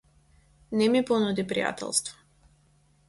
Не ми понуди пријателство.